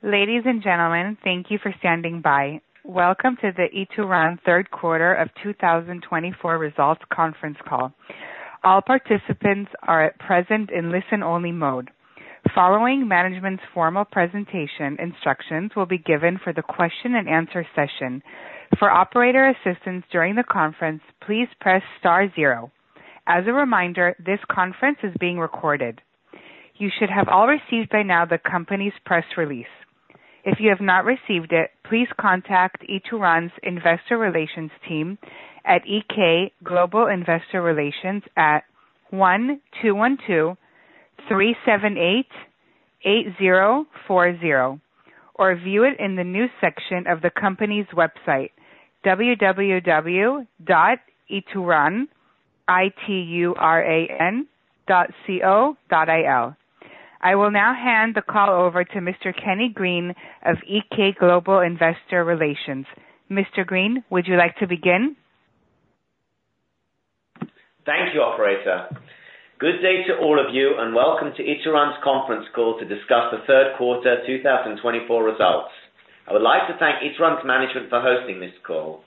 Ladies and gentlemen, thank you for standing by. Welcome to the Ituran This Q3 of 2024 Results Conference Call. All participants are present in listen-only mode. Following management's formal presentation, instructions will be given for the question-and-answer session. For operator assistance during the conference, please press star zero. As a reminder, this conference is being recorded. You should have all received by now the company's press release. If you have not received it, please contact Ituran's investor relations team at GK Global Investor Relations at 1-212-378-8040 or view it in the news section of the company's website, www.ituran.co.il. I will now hand the call over to Mr. Kenny Green of GK Global Investor Relations. Mr. Green, would you like to begin? Thank you, operator. Good day to all of you and welcome to Ituran's conference call to discuss the Q3 2024 results. I would like to thank Ituran's management for hosting this call.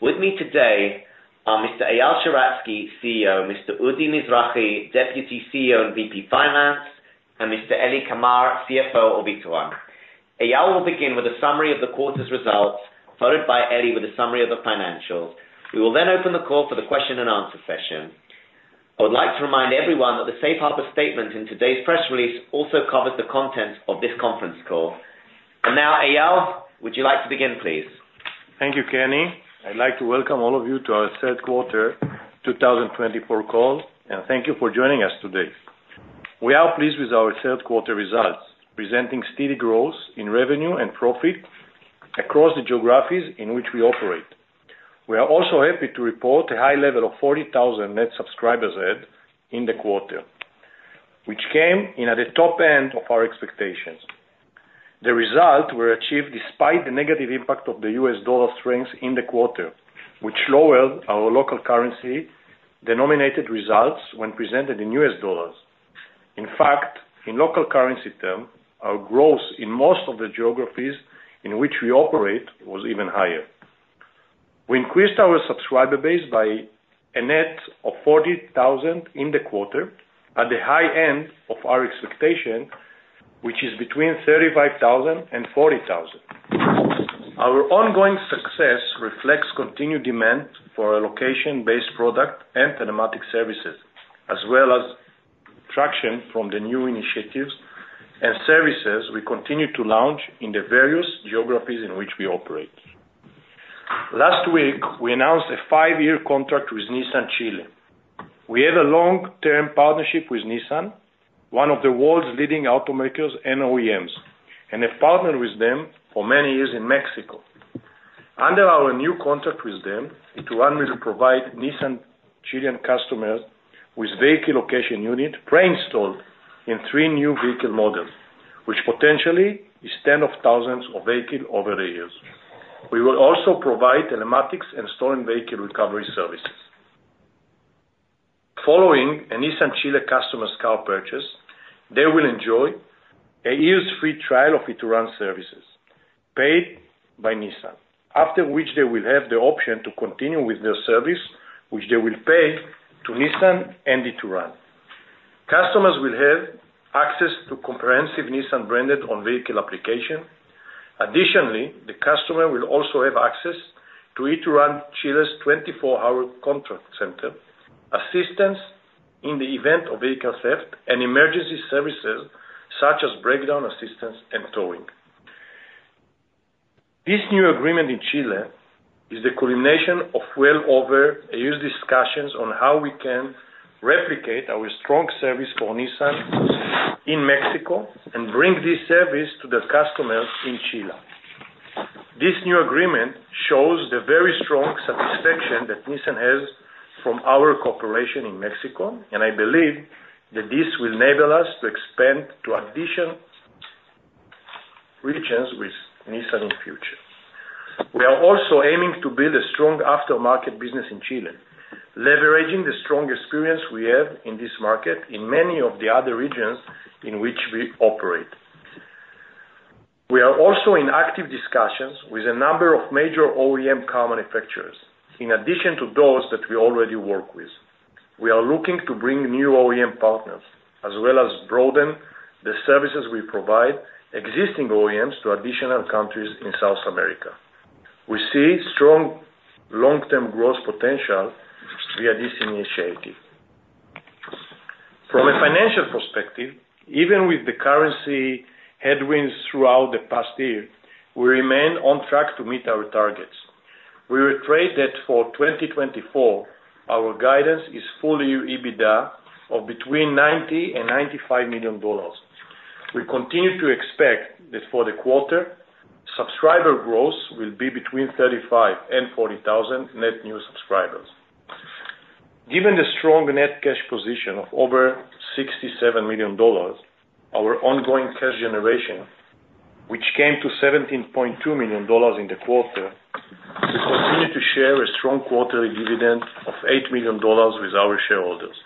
With me today are Mr. Eyal Sheratzky, CEO, Mr. Udi Mizrahi, Deputy CEO and VP Finance, and Mr. Eli Kamar, CFO of Ituran. Eyal will begin with a summary of the quarter's results, followed by Eli with a summary of the financials. We will then open the call for the question-and-answer session. I would like to remind everyone that the Safe Harbor Statement in today's press release also covers the contents of this conference call. And now, Eyal, would you like to begin, please? Thank you, Kenny. I'd like to welcome all of you to our Q3 2024 call, and thank you for joining us today. We are pleased with our Q3 results, presenting steady growth in revenue and profit across the geographies in which we operate. We are also happy to report a high level of 40,000 net subscribers added in the quarter, which came in at the top end of our expectations. The results were achieved despite the negative impact of the U.S. dollar strength in the quarter, which lowered our local currency-denominated results when presented in U.S. dollars. In fact, in local currency terms, our growth in most of the geographies in which we operate was even higher. We increased our subscriber base by a net of 40,000 in the quarter, at the high end of our expectation, which is between 35,000 and 40,000. Our ongoing success reflects continued demand for a location-based product and telematics services, as well as traction from the new initiatives and services we continue to launch in the various geographies in which we operate. Last week, we announced a five-year contract with Nissan Chile. We have a long-term partnership with Nissan, one of the world's leading automakers and OEMs, and have partnered with them for many years in Mexico. Under our new contract with them, Ituran will provide Nissan Chilean customers with vehicle location units pre-installed in three new vehicle models, which potentially is tens of thousands of vehicles over the years. We will also provide telematics and stolen vehicle recovery services. Following a Nissan Chile customer's car purchase, they will enjoy a year's free trial of Ituran's services, paid by Nissan, after which they will have the option to continue with their service, which they will pay to Nissan and Ituran. Customers will have access to comprehensive Nissan-branded on-vehicle applications. Additionally, the customer will also have access to Ituran Chile's 24-hour contact center, assistance in the event of vehicle theft, and emergency services such as breakdown assistance and towing. This new agreement in Chile is the culmination of well-over a year's discussions on how we can replicate our strong service for Nissan in Mexico and bring this service to the customers in Chile. This new agreement shows the very strong satisfaction that Nissan has from our cooperation in Mexico, and I believe that this will enable us to expand to additional regions with Nissan in the future. We are also aiming to build a strong aftermarket business in Chile, leveraging the strong experience we have in this market in many of the other regions in which we operate. We are also in active discussions with a number of major OEM car manufacturers, in addition to those that we already work with. We are looking to bring new OEM partners, as well as broaden the services we provide to existing OEMs to additional countries in South America. We see strong long-term growth potential via this initiative. From a financial perspective, even with the currency headwinds throughout the past year, we remain on track to meet our targets. We reiterated for 2024. Our guidance is full-year EBITDA of between $90 million and $95 million. We continue to expect that for the quarter, subscriber growth will be between 35,000 and 40,000 net new subscribers. Given the strong net cash position of over $67 million, our ongoing cash generation, which came to $17.2 million in the quarter, will continue to share a strong quarterly dividend of $8 million with our shareholders.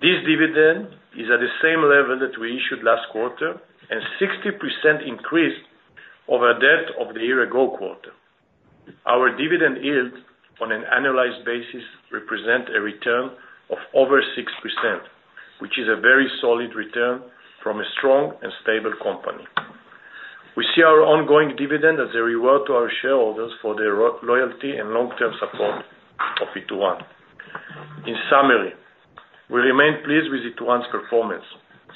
This dividend is at the same level that we issued last quarter and 60% increased over that of the year-ago quarter. Our dividend yields on an annualized basis represent a return of over 6%, which is a very solid return from a strong and stable company. We see our ongoing dividend as a reward to our shareholders for their loyalty and long-term support of Ituran. In summary, we remain pleased with Ituran's performance.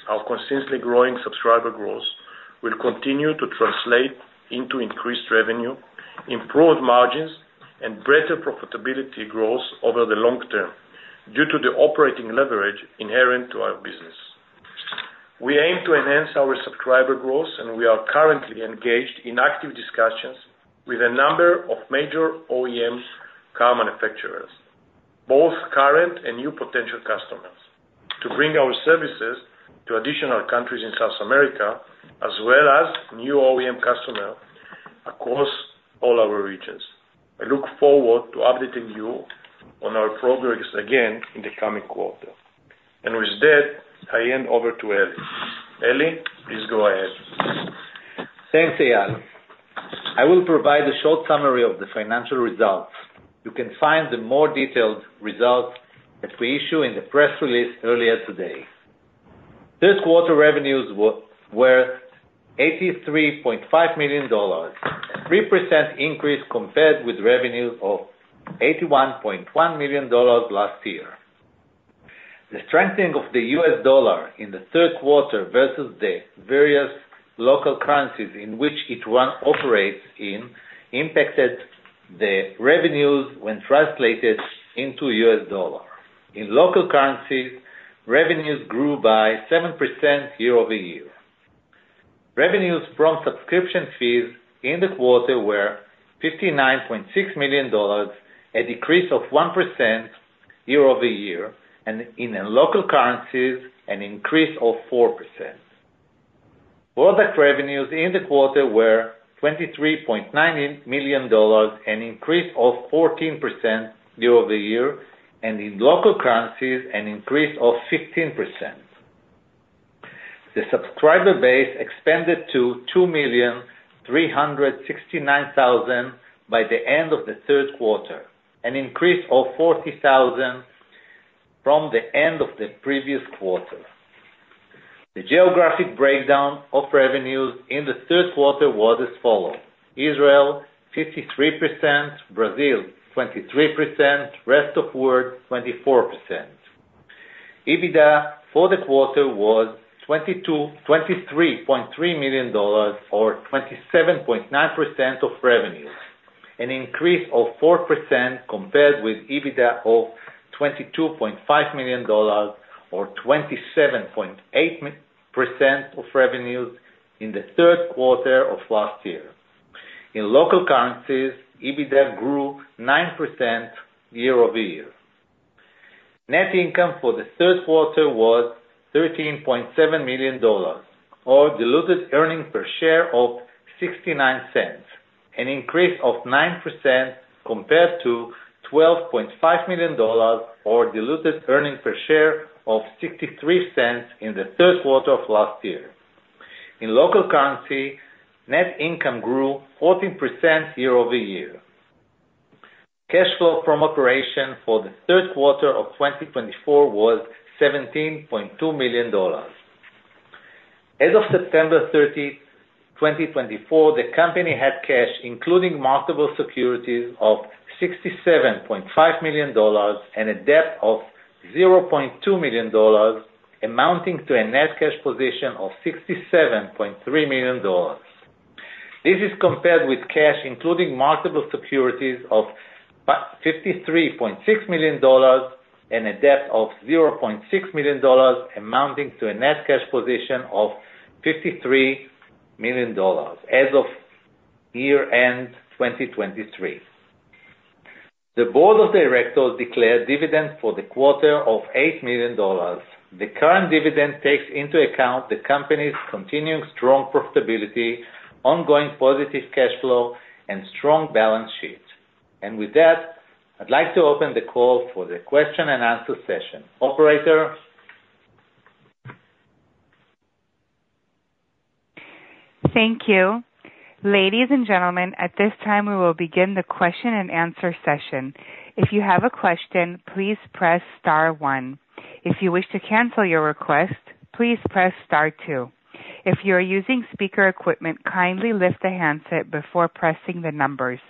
Our consistently growing subscriber growth will continue to translate into increased revenue, improved margins, and better profitability growth over the long term due to the operating leverage inherent to our business. We aim to enhance our subscriber growth, and we are currently engaged in active discussions with a number of major OEM car manufacturers, both current and new potential customers, to bring our services to additional countries in South America, as well as new OEM customers across all our regions. I look forward to updating you on our progress again in the coming quarter, and with that, I hand over to Eli. Eli, please go ahead. Thanks, Eyal. I will provide a short summary of the financial results. You can find the more detailed results that we issued in the press release earlier today. Q3 revenues were $83.5 million, a 3% increase compared with revenues of $81.1 million last year. The strengthening of the U.S. dollar in the Q3 versus the various local currencies in which Ituran operates in impacted the revenues when translated into U.S. dollars. In local currencies, revenues grew by 7% year-over-year. Revenues from subscription fees in the quarter were $59.6 million, a decrease of 1% year-over-year, and in local currencies, an increase of 4%. Product revenues in the quarter were $23.9 million, an increase of 14% year-over-year, and in local currencies, an increase of 15%. The subscriber base expanded to 2,369,000 by the end of the Q3, an increase of 40,000 from the end of the previous quarter. The geographic breakdown of revenues in the Q3 was as follows: Israel 53%, Brazil 23%, rest of the world 24%. EBITDA for the quarter was $23.3 million, or 27.9% of revenues, an increase of 4% compared with EBITDA of $22.5 million, or 27.8% of revenues in the Q3 of last year. In local currencies, EBITDA grew 9% year-over-year. Net income for the Q3 was $13.7 million, or diluted earnings per share of $0.69, an increase of 9% compared to $12.5 million, or diluted earnings per share of $0.63 in the Q3 of last year. In local currency, net income grew 14% year-over-year. Cash flow from operations for the Q3 of 2024 was $17.2 million. As of September 30, 2024, the company had cash including multiple securities of $67.5 million and a debt of $0.2 million, amounting to a net cash position of $67.3 million. This is compared with cash including multiple securities of $53.6 million and a debt of $0.6 million, amounting to a net cash position of $53 million as of year-end 2023. The board of directors declared dividends for the quarter of $8 million. The current dividend takes into account the company's continuing strong profitability, ongoing positive cash flow, and strong balance sheet. And with that, I'd like to open the call for the question-and-answer session. Operator. Thank you. Ladies and gentlemen, at this time, we will begin the question-and-answer session. If you have a question, please press star one. If you wish to cancel your request, please press star two. If you are using speaker equipment, kindly lift the handset before pressing the numbers.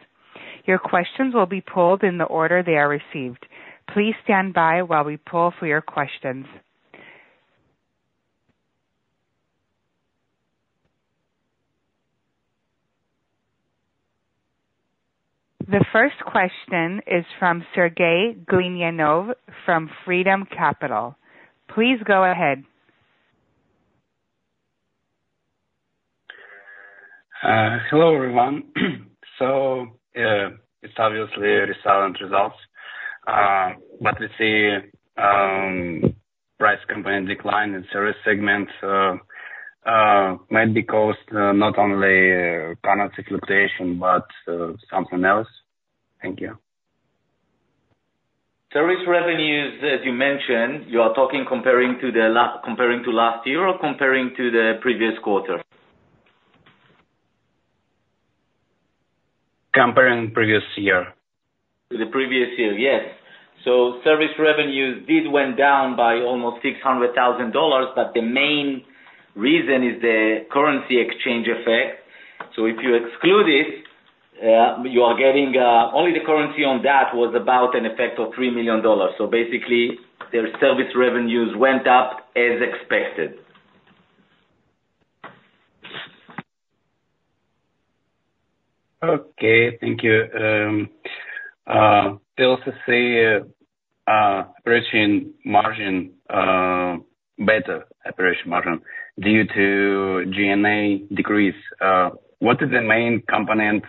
Your questions will be pulled in the order they are received. Please stand by while we pull for your questions. The first question is from Sergey Glinyanov from Freedom Capital. Please go ahead. Hello, everyone. So it's obviously a resounding result, but we see Ituran's decline in service segments might be caused not only by currency fluctuation, but something else. Thank you. Service revenues, as you mentioned, you are talking comparing to last year or comparing to the previous quarter? Comparing previous year. To the previous year, yes. So service revenues did went down by almost $600,000, but the main reason is the currency exchange effect. So if you exclude it, you are getting only the currency on that was about an effect of $3 million. So basically, their service revenues went up as expected. Okay, thank you. Still to see operating margin better, operating margin, due to G&A decrease. What are the main components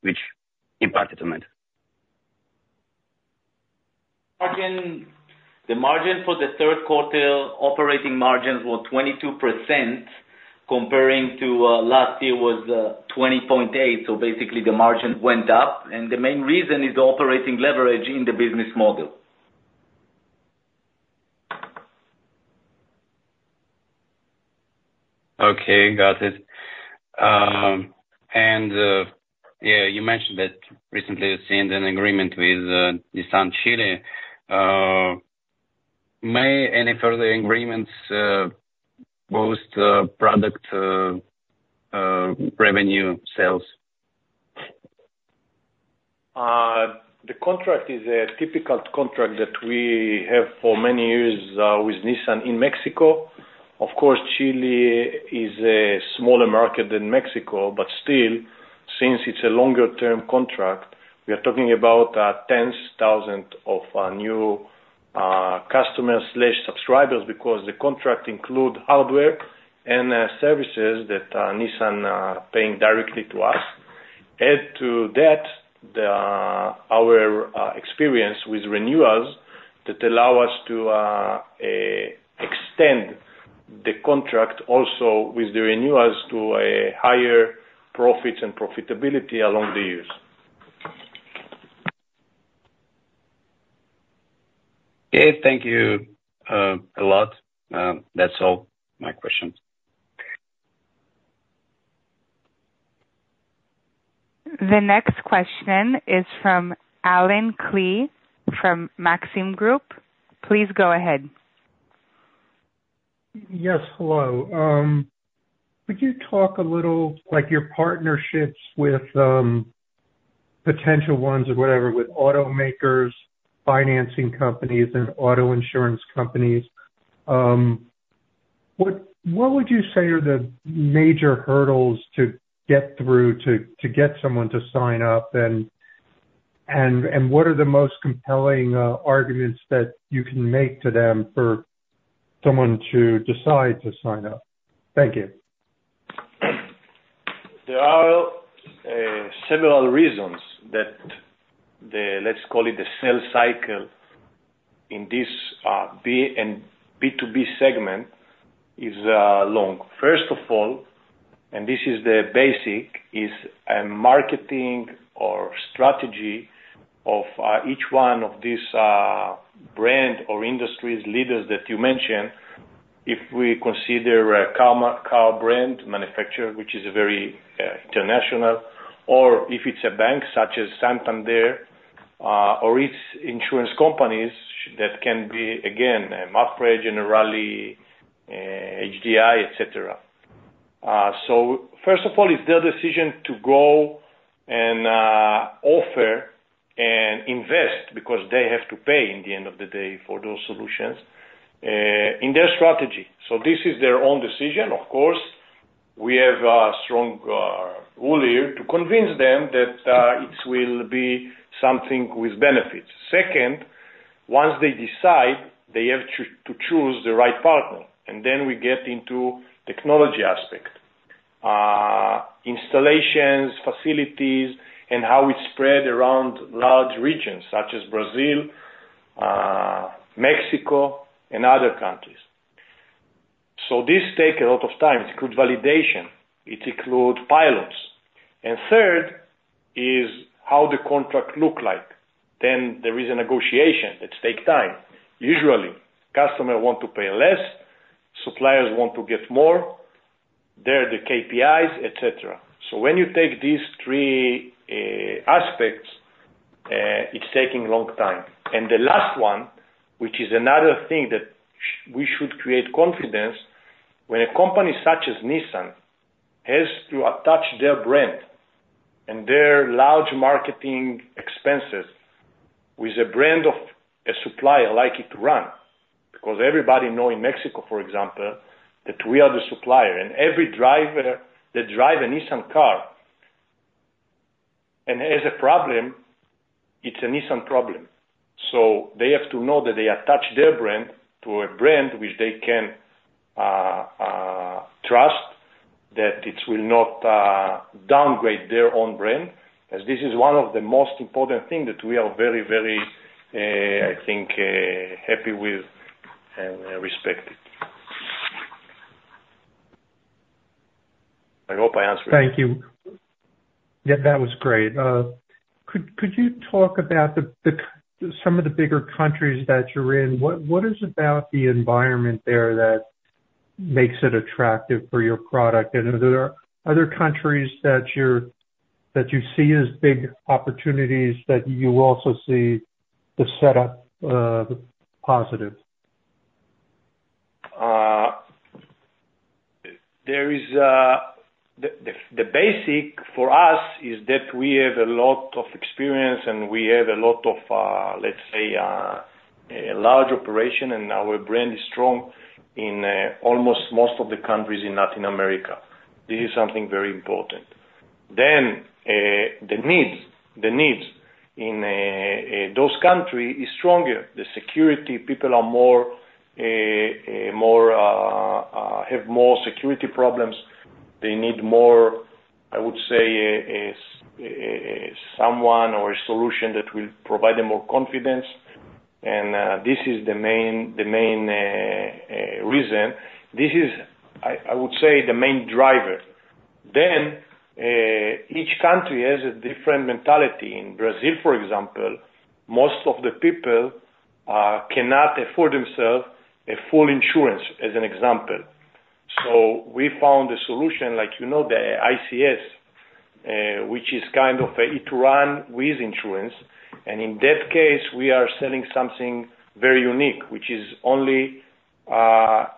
which impacted on it? The margin for the Q3 operating margins were 22%, comparing to last year was 20.8%. So basically, the margin went up. And the main reason is the operating leverage in the business model. Okay, got it. And yeah, you mentioned that recently you've seen an agreement with Nissan Chile. May any further agreements boost product revenue sales? The contract is a typical contract that we have for many years with Nissan in Mexico. Of course, Chile is a smaller market than Mexico, but still, since it's a longer-term contract, we are talking about tens of thousands of new customers/subscribers because the contract includes hardware and services that Nissan is paying directly to us. Add to that our experience with renewals that allow us to extend the contract also with the renewals to higher profits and profitability along the years. Okay, thank you a lot. That's all my questions. The next question is from Alan Klee from Maxim Group. Please go ahead. Yes, hello. Could you talk a little about your partnerships with potential ones or whatever with automakers, financing companies, and auto insurance companies? What would you say are the major hurdles to get through to get someone to sign up? And what are the most compelling arguments that you can make to them for someone to decide to sign up? Thank you. There are several reasons that, let's call it the sales cycle in this B2B segment is long. First of all, and this is the basic, is a marketing or strategy of each one of these brand or industry leaders that you mentioned. If we consider a car brand manufacturer, which is very international, or if it's a bank such as Santander or its insurance companies that can be, again, a Mapfre Generali HDI, etc. So first of all, it's their decision to go and offer and invest because they have to pay in the end of the day for those solutions in their strategy. So this is their own decision. Of course, we have a strong will here to convince them that it will be something with benefits. Second, once they decide, they have to choose the right partner. Then we get into the technology aspect, installations, facilities, and how it spreads around large regions such as Brazil, Mexico, and other countries. This takes a lot of time. It includes validation. It includes pilots. Third is how the contract looks like. There is a negotiation that takes time. Usually, customers want to pay less. Suppliers want to get more. There are the KPIs, etc. When you take these three aspects, it's taking a long time. The last one, which is another thing that we should create confidence, when a company such as Nissan has to attach their brand and their large marketing expenses with a brand of a supplier like Ituran, because everybody knows in Mexico, for example, that we are the supplier and every driver that drives a Nissan car and has a problem, it's a Nissan problem. So they have to know that they attach their brand to a brand which they can trust that it will not downgrade their own brand, as this is one of the most important things that we are very, very, I think, happy with and respected. I hope I answered. Thank you. That was great. Could you talk about some of the bigger countries that you're in? What is it about the environment there that makes it attractive for your product? And are there other countries that you see as big opportunities that you also see the setup positive? There is the basic for us is that we have a lot of experience and we have a lot of, let's say, a large operation, and our brand is strong in almost most of the countries in Latin America. This is something very important. Then the needs in those countries are stronger. The security people have more security problems. They need more, I would say, someone or a solution that will provide them more confidence. And this is the main reason. This is, I would say, the main driver. Then each country has a different mentality. In Brazil, for example, most of the people cannot afford themselves full insurance, as an example. So we found a solution like the ICS, which is kind of an Ituran with insurance. And in that case, we are selling something very unique, which is only car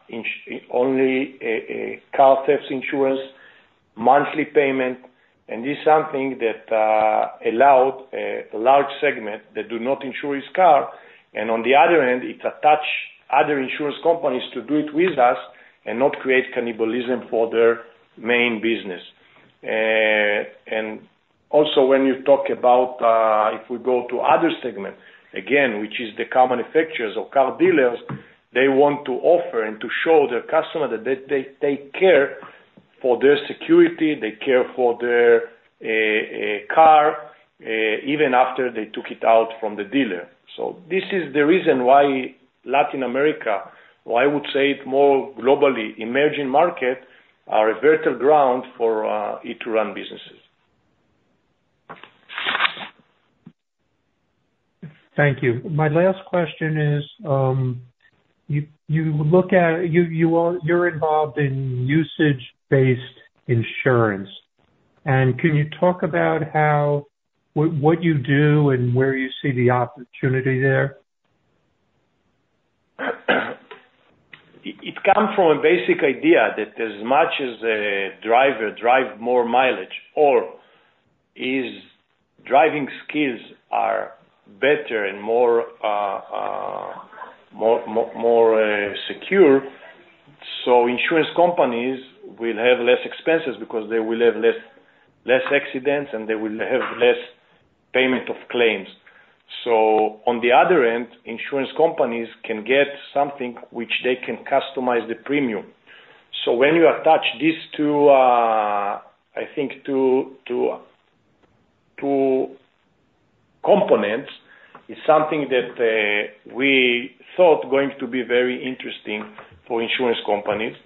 theft insurance, monthly payment. This is something that allowed a large segment that do not insure its car. On the other hand, it attracts other insurance companies to do it with us and not create cannibalism for their main business. Also, when you talk about if we go to other segments, again, which is the car manufacturers or car dealers, they want to offer and to show their customers that they take care of their security. They care for their car even after they took it out from the dealer. This is the reason why Latin America, or I would say more globally, emerging markets are a fertile ground for Ituran businesses. Thank you. My last question is, you look at you're involved in usage-based insurance, and can you talk about what you do and where you see the opportunity there? It comes from a basic idea that, as much as a driver drives more mileage or his driving skills are better and more secure, so insurance companies will have less expenses because they will have less accidents and they will have less payment of claims. So on the other end, insurance companies can get something which they can customize the premium. So when you attach these two, I think, two components, it's something that we thought was going to be very interesting for insurance companies.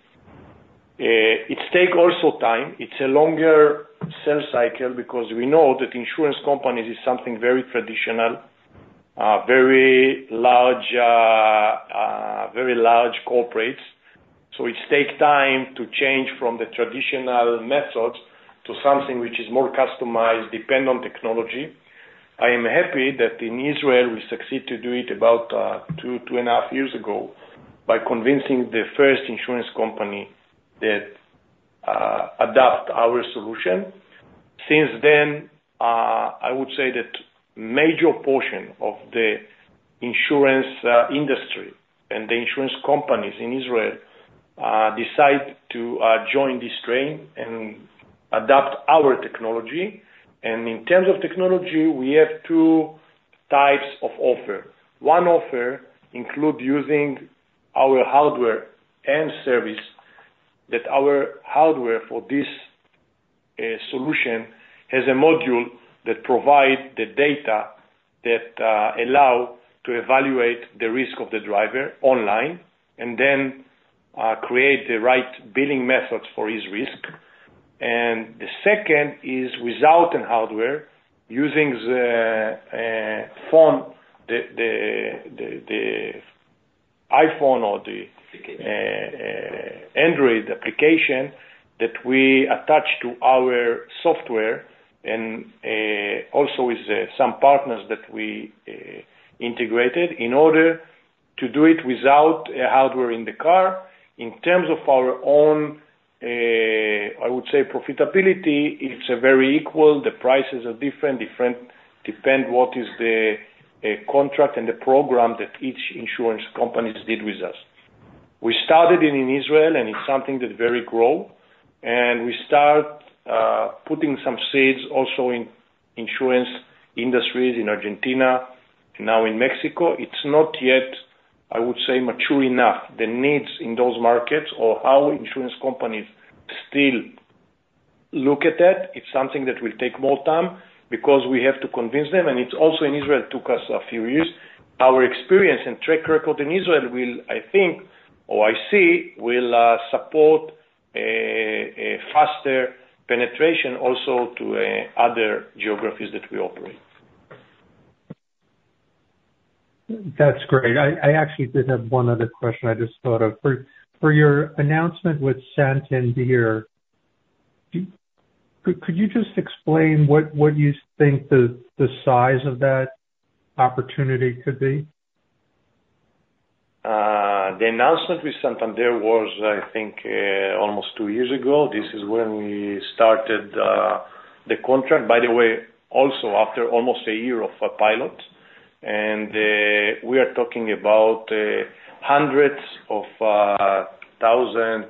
It takes also time. It's a longer sales cycle because we know that insurance companies are something very traditional, very large corporates. So it takes time to change from the traditional methods to something which is more customized, dependent on technology. I am happy that in Israel, we succeeded to do it about two, two and a half years ago by convincing the first insurance company that adopted our solution. Since then, I would say that a major portion of the insurance industry and the insurance companies in Israel decided to join this train and adopt our technology. And in terms of technology, we have two types of offers. One offer includes using our hardware and service that our hardware for this solution has a module that provides the data that allows us to evaluate the risk of the driver online and then create the right billing methods for his risk. And the second is without the hardware, using the phone, the iPhone, or the Android application that we attach to our software and also with some partners that we integrated in order to do it without hardware in the car. In terms of our own, I would say, profitability, it's very equal. The prices are different. Different depend on what is the contract and the program that each insurance company did with us. We started in Israel, and it's something that very grows, and we started putting some seeds also in insurance industries in Argentina and now in Mexico. It's not yet, I would say, mature enough. The needs in those markets or how insurance companies still look at that, it's something that will take more time because we have to convince them, and it's also in Israel took us a few years. Our experience and track record in Israel will, I think, or I see, will support a faster penetration also to other geographies that we operate. That's great. I actually did have one other question I just thought of. For your announcement with Santander, could you just explain what you think the size of that opportunity could be? The announcement with Santander was, I think, almost two years ago. This is when we started the contract. By the way, also after almost a year of pilots, and we are talking about hundreds of thousands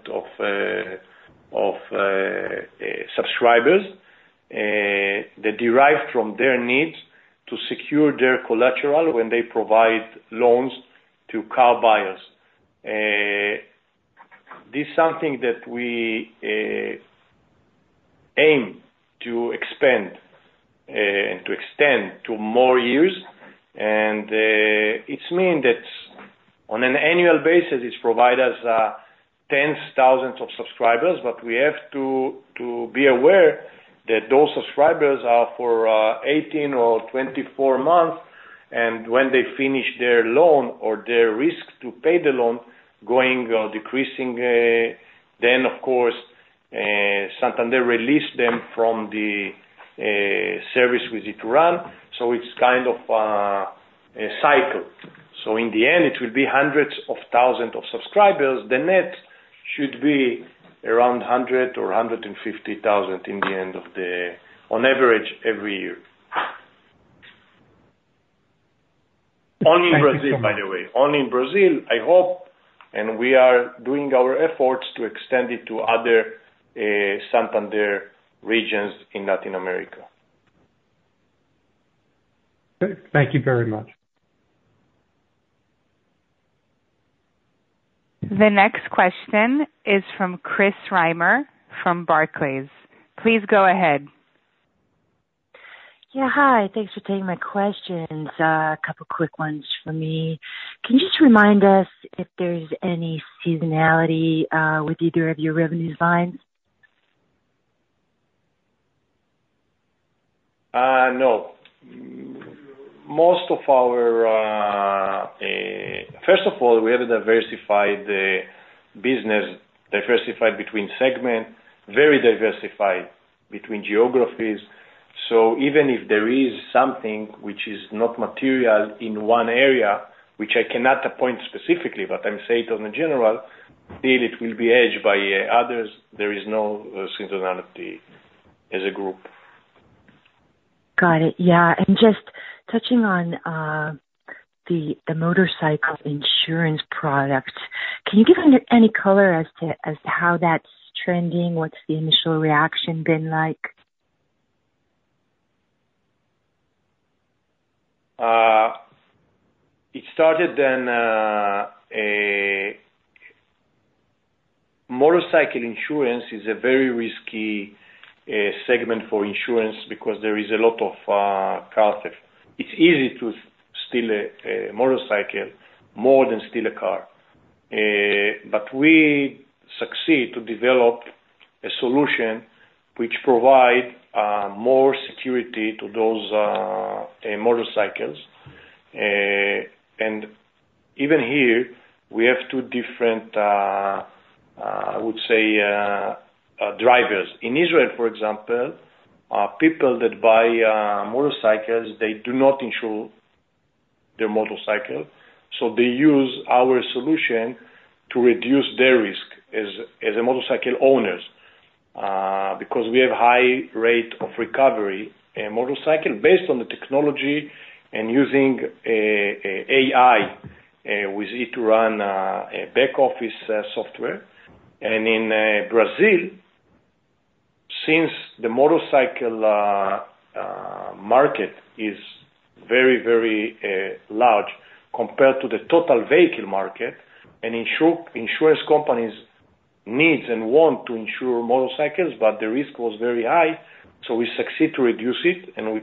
of subscribers that derive from their needs to secure their collateral when they provide loans to car buyers. This is something that we aim to expand and to extend to more years, and it means that on an annual basis, it provides us tens of thousands of subscribers, but we have to be aware that those subscribers are for 18 or 24 months, and when they finish their loan or their risk to pay the loan going or decreasing, then, of course, Santander releases them from the service with Ituran, so it's kind of a cycle, so in the end, it will be hundreds of thousands of subscribers. The net should be around 100 or 150 thousand in the end of the year, on average every year. Only in Brazil, by the way. Only in Brazil, I hope. We are doing our efforts to extend it to other Santander regions in Latin America. Thank you very much. The next question is from Chris Reimer from Barclays. Please go ahead. Yeah, hi. Thanks for taking my questions. A couple of quick ones for me. Can you just remind us if there's any seasonality with either of your revenue lines? No. Most of our first of all, we have a diversified business, diversified between segments, very diversified between geographies. So even if there is something which is not material in one area, which I cannot point specifically, but I'm saying it in general, still it will be hedged by others. There is no seasonality as a group. Got it. Yeah, and just touching on the motorcycle insurance products, can you give any color as to how that's trending? What's the initial reaction been like? It started. Then motorcycle insurance is a very risky segment for insurance because there is a lot of car theft. It's easy to steal a motorcycle more than steal a car. But we succeeded to develop a solution which provides more security to those motorcycles, and even here, we have two different, I would say, drivers. In Israel, for example, people that buy motorcycles, they do not insure their motorcycle, so they use our solution to reduce their risk as motorcycle owners because we have a high rate of recovery in motorcycles based on the technology and using AI with Ituran back office software, and in Brazil, since the motorcycle market is very, very large compared to the total vehicle market, and insurance companies need and want to insure motorcycles, but the risk was very high, so we succeeded to reduce it. We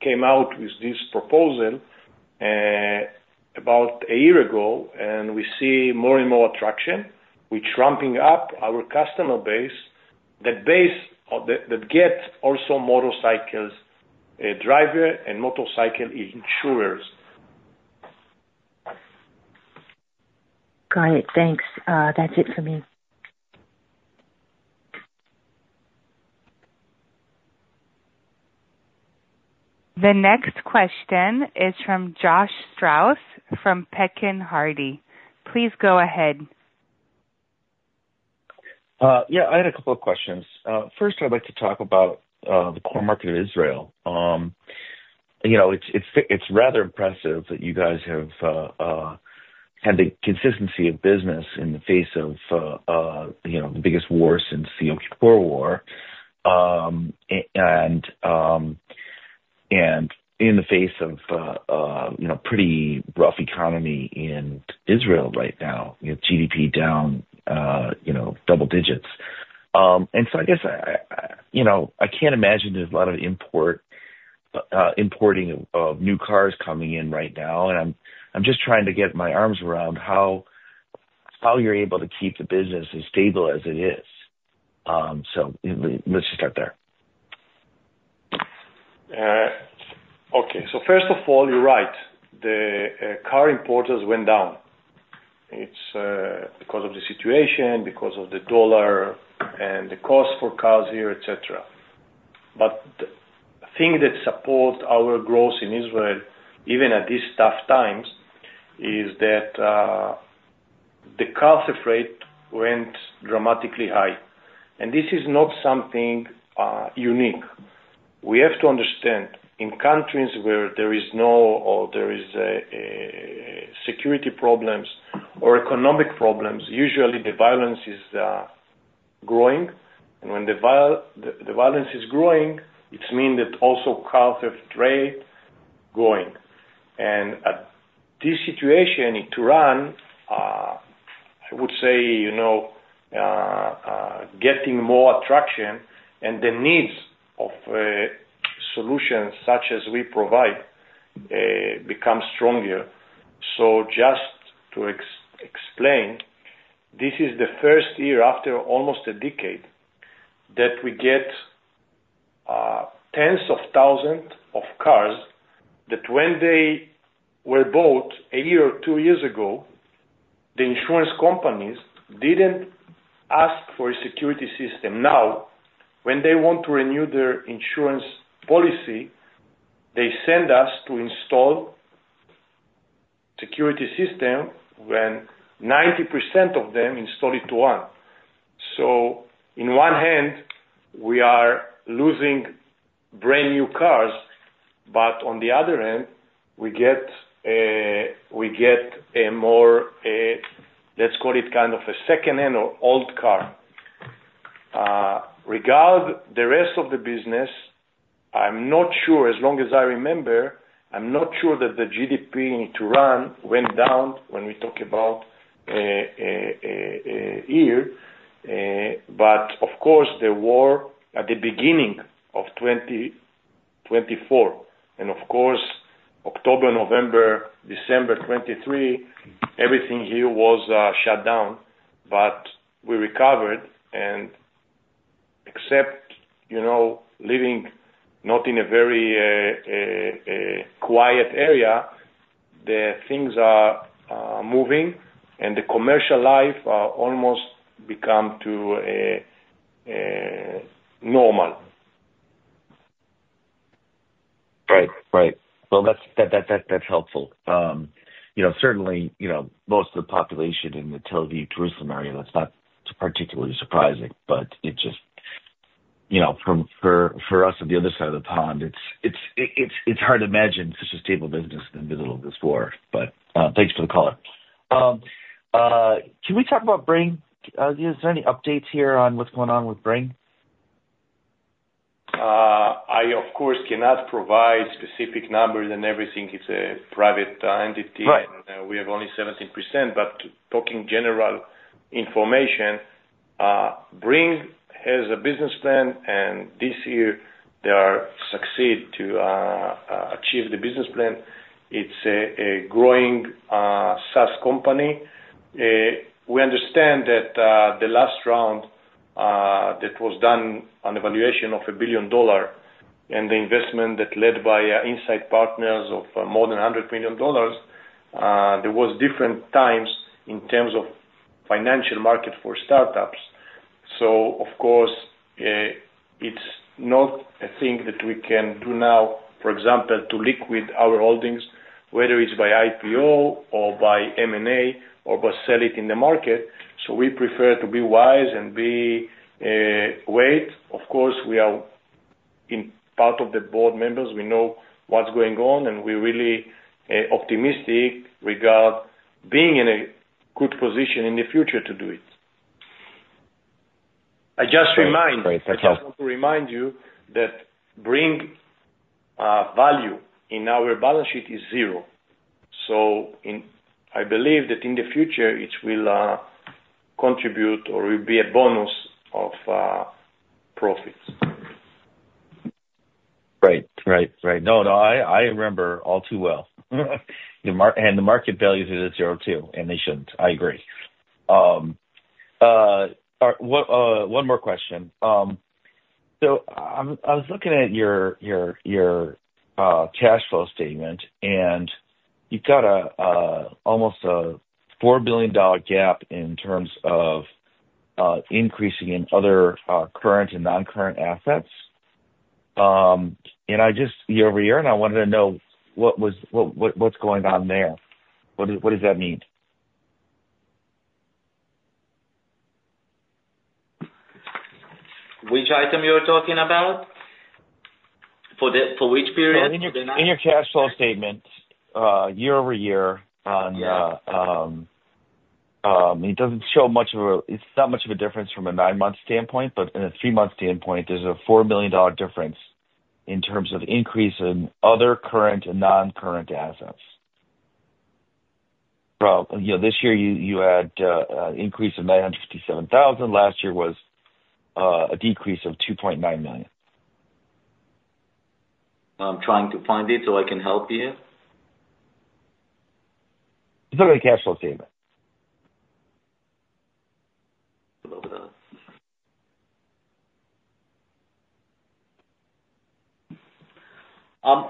came out with this proposal about a year ago. We see more and more attraction. We're ramping up our customer base that get also motorcycle drivers and motorcycle insurers. Got it. Thanks. That's it for me. The next question is from Josh Strauss from Pekin Hardy Strauss. Please go ahead. Yeah. I had a couple of questions. First, I'd like to talk about the core market of Israel. It's rather impressive that you guys have had the consistency of business in the face of the biggest wars since the Yom Kippur War and in the face of a pretty rough economy in Israel right now, with GDP down double digits, and so I guess I can't imagine there's a lot of importing of new cars coming in right now. And I'm just trying to get my arms around how you're able to keep the business as stable as it is, so let's just start there. Okay. So first of all, you're right. The car imports went down. It's because of the situation, because of the dollar and the cost for cars here, etc., but the thing that supports our growth in Israel, even at these tough times, is that the car theft rate went dramatically high, and this is not something unique. We have to understand in countries where there is no or there are security problems or economic problems, usually the violence is growing, and when the violence is growing, it means that also car theft rate is growing, and this situation in Ituran, I would say, getting more attraction, and the needs of solutions such as we provide become stronger. So just to explain, this is the first year after almost a decade that we get tens of thousands of cars that when they were bought a year or two years ago, the insurance companies didn't ask for a security system. Now, when they want to renew their insurance policy, they send us to install a security system when 90% of them install Ituran, so on one hand, we are losing brand new cars, but on the other hand, we get a more, let's call it kind of a secondhand or old car. Regarding the rest of the business, I'm not sure. As long as I remember, I'm not sure that the GDP in Israel went down when we talk about here, but of course, there were at the beginning of 2024, and of course, October, November, December 2023, everything here was shut down, but we recovered. Despite living in a not very quiet area, the things are moving. The commercial life almost has become normal. Right. Right. That's helpful. Certainly, most of the population in the Tel Aviv, Jerusalem area, that's not particularly surprising. But it's just for us on the other side of the pond, it's hard to imagine such a stable business in the middle of this war. But thanks for the call. Can we talk about Bringg? Is there any updates here on what's going on with Bringg? I, of course, cannot provide specific numbers and everything. It's a private entity, and we have only 17%. Talking general information, Bringg has a business plan, and this year, they succeeded to achieve the business plan. It's a growing SaaS company. We understand that the last round that was done on valuation of $1 billion and the investment that was led by Insight Partners of more than $100 million, there were different times in terms of financial market for startups. Of course, it's not a thing that we can do now, for example, to liquidate our holdings, whether it's by IPO or by M&A or by selling it in the market, so we prefer to be wise and await. Of course, we are part of the board members. We know what's going on. And we're really optimistic regarding being in a good position in the future to do it. I just remind. That's helpful. Just want to remind you that Bringg's value in our balance sheet is zero. So I believe that in the future, it will contribute or will be a bonus of profits. Right. Right. Right. No, no. I remember all too well. And the market values are at zero too. And they shouldn't. I agree. One more question. So I was looking at your cash flow statement. And you've got almost a $4 billion gap in terms of increasing in other current and non-current assets. And I just year over year, and I wanted to know what's going on there. What does that mean? Which item you're talking about? For which period? In your cash flow statement, year over year, it doesn't show much of a difference from a nine-month standpoint. But in a three-month standpoint, there's a $4 billion difference in terms of increase in other current and non-current assets. This year, you had an increase of 957,000. Last year was a decrease of 2.9 million. I'm trying to find it so I can help you. It's on the cash flow statement. Hold on.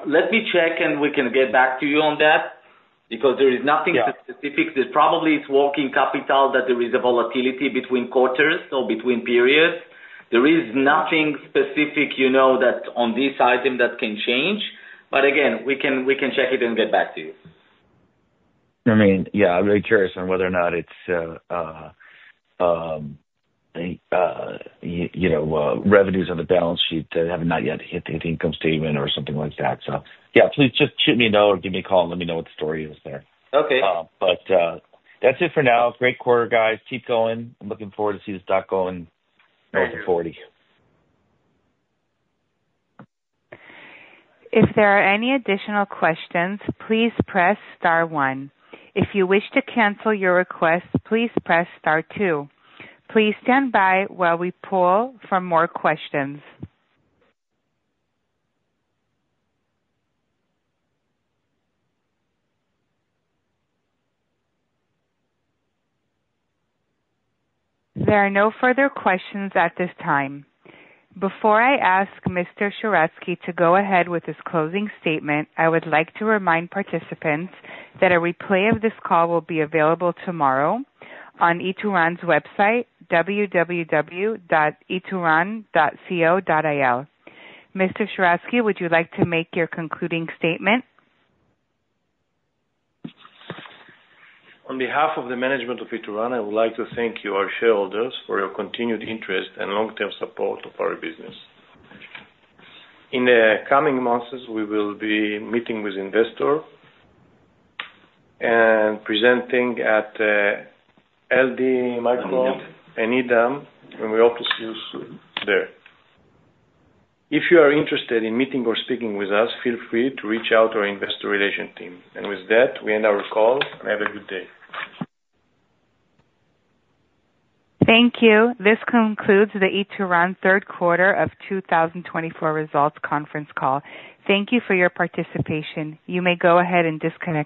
Let me check, and we can get back to you on that because there is nothing specific. Probably, it's working capital that there is a volatility between quarters or between periods. There is nothing specific that on this item that can change. But again, we can check it and get back to you. I mean, yeah, I'm very curious on whether or not it's revenues on the balance sheet that have not yet hit the income statement or something like that. So yeah, please just shoot me a note or give me a call and let me know what the story is there. But that's it for now. Great quarter, guys. Keep going. I'm looking forward to seeing this doc going north of 40. If there are any additional questions, please press star one. If you wish to cancel your request, please press star two. Please stand by while we pull for more questions. There are no further questions at this time. Before I ask Mr. Sheratzky to go ahead with his closing statement, I would like to remind participants that a replay of this call will be available tomorrow on Ituran's website, www.ituran.co.il. Mr. Sheratzky, would you like to make your concluding statement? On behalf of the management of Ituran, I would like to thank you, our shareholders, for your continued interest and long-term support of our business. In the coming months, we will be meeting with investors and presenting at LD Micro and EDAM, and we hope to see you there. If you are interested in meeting or speaking with us, feel free to reach out to our investor relations team. And with that, we end our call. Have a good day. Thank you. This concludes the Ituran Q3 of 2024 results conference call. Thank you for your participation. You may go ahead and disconnect.